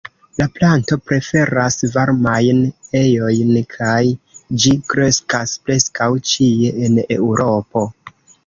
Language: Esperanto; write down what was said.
La planto preferas varmajn ejojn kaj ĝi kreskas preskaŭ ĉie en Eŭropo.